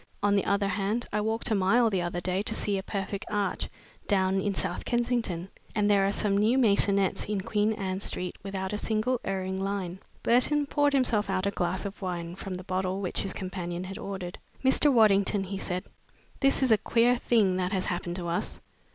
On the other hand, I walked a mile the other day to see a perfect arch down in South Kensington, and there are some new maisonettes in Queen Anne Street without a single erring line." Burton poured himself out a glass of wine from the bottle which his companion had ordered. "Mr. Waddington," he said, "this is a queer thing that has happened to us."